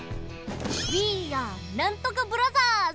ウィーアーなんとかブラザーズ！